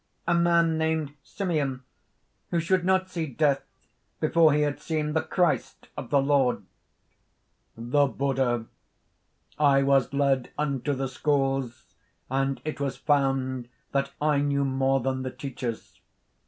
"A man named Simeon ... who should not see death, before he had seen the Christ of the Lord." THE BUDDHA. "I was led unto the schools; and it was found that I knew more than the teachers."